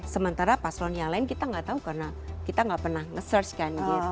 sementara paslon yang lain kita gak tau karena kita gak pernah nge search kan gitu